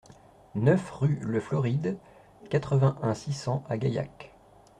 neuf rue Le Floride, quatre-vingt-un, six cents à Gaillac